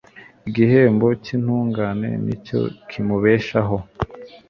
igihembo cy'intungane ni cyo kiyibeshaho